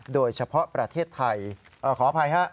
โดยเฉพาะประเทศไทยขออภัยฮะ